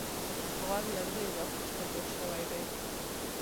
غوږ له دریو برخو څخه جوړ شوی دی.